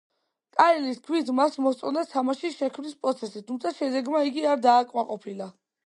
კაენის თქმით, მას მოსწონდა თამაშის შექმნის პროცესი, თუმცა შედეგმა იგი არ დააკმაყოფილა.